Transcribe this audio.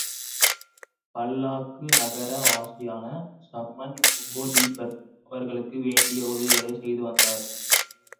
பல்லாக் நகர வாசியான சம்ன் ஒ டிபிர் அவர்களுக்கு வேண்டிய உதவிகளைச் செய்து வந்தார்.